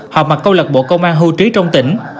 họp mặt câu lạc bộ công an hưu trí trong tỉnh